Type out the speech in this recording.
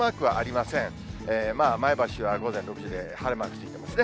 まあ、前橋は午前６時で晴れマークついてますね。